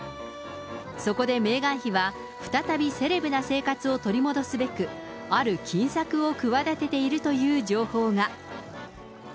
そこでメーガン妃は、再びセレブな生活を取り戻すべく、ある金策を企てているという情報が。